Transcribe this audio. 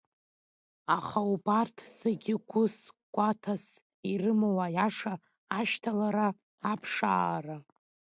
Аха убарҭ зегь гәыс, гәаҭас ирымоу аиаша ашьҭалара, аԥшаара.